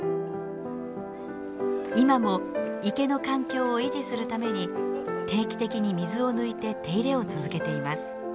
今も池の環境を維持するために定期的に水を抜いて手入れを続けています。